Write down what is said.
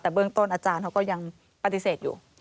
แต่เบื้องต้นอาจารย์เขาก็ยังปฏิเสธอยู่